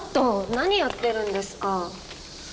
何やってるんですか。